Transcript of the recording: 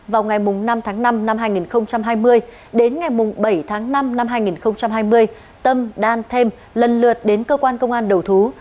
vào ngày năm tháng năm năm hai nghìn hai mươi đến ngày bảy tháng năm năm hai nghìn hai mươi tâm đan thêm lần lượt đến cơ quan công an đầu thú